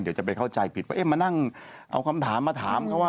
เดี๋ยวจะไปเข้าใจผิดว่าเอ๊ะมานั่งเอาคำถามมาถามเขาว่า